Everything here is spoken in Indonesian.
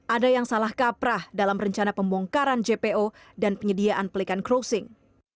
ada yang salah kaprah dalam rencana pembongkaran jpo dan penyediaan pelikan crossing